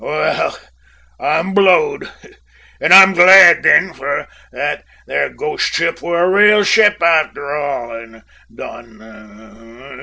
"Well, I'm blowed! and I'm glad, then, for that there ghost ship wor a rael ship arter all said and done.